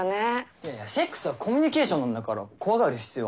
いやいやセックスはコミュニケーションなんだから怖がる必要はない。